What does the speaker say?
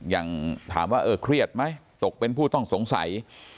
อย่างถามว่าเออเครียดไหมตกเป็นผู้ต้องสงสัย